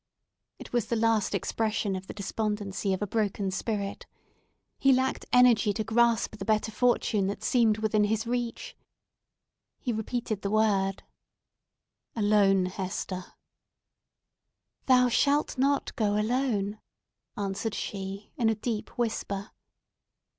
It was the last expression of the despondency of a broken spirit. He lacked energy to grasp the better fortune that seemed within his reach. He repeated the word—"Alone, Hester!" "Thou shall not go alone!" answered she, in a deep whisper.